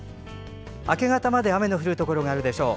明け方まで雨の降るところがあるでしょう。